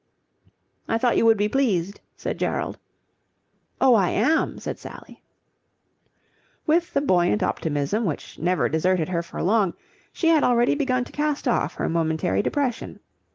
"I thought you would be pleased," said Gerald. "Oh, I am," said Sally. With the buoyant optimism which never deserted her for long, she had already begun to cast off her momentary depression.